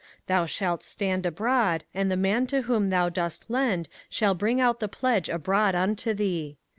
05:024:011 Thou shalt stand abroad, and the man to whom thou dost lend shall bring out the pledge abroad unto thee.